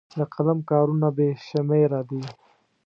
د قلم کارونه بې شمېره دي.